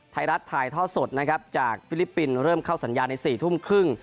ไทยรัฐถ่ายท่อสดนะครับจากฟิลิปปินส์เริ่มเข้าสัญญาใน๔ทุ่มครึ่ง